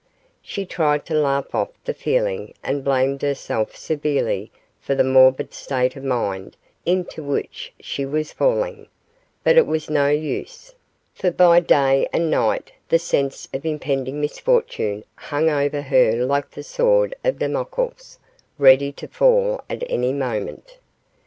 She tried to laugh off the feeling and blamed herself severely for the morbid state of mind into which she was falling; but it was no use, for by day and night the sense of impending misfortune hung over her like the sword of Damocles, ready to fall at any moment.